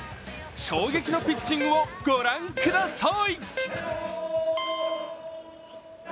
衝撃のピッチングを御覧ください。